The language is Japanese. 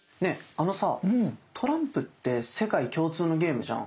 あのさトランプって世界共通のゲームじゃん。